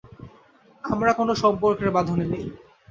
আমরা কোনো সম্পর্কের বাঁধনে নেই।